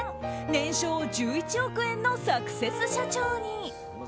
年商１１億円のサクセス社長に。